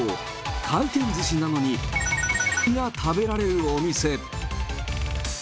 回転ずしなのに×××が食べられるお店。